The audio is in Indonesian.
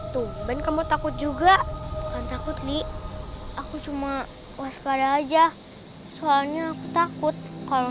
tumben kamu takut juga takut nih aku cuma waspada aja soalnya takut kalau